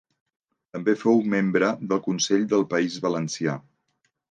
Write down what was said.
També fou membre del Consell del País Valencià.